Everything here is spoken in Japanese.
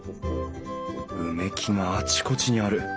埋木があちこちある。